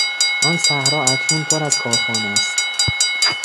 آن صحرا اکنون پر از کارخانه است.